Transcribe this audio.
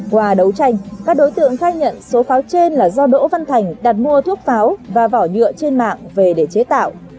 qua đấu tranh các đối tượng khai nhận số pháo trên là do đỗ văn thành đặt mua thuốc pháo và vỏ nhựa trên mạng về để chế tạo